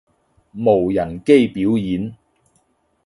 無人機表演